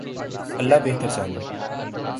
اللہ بہتر جانے۔